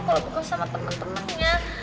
kalo bukan sama temen temennya